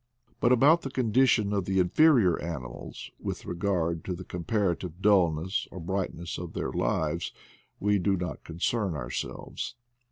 But about the condition of the inferior animals, with regard to the compara tive dullness or brightness of their lives, we do not concern ourselves.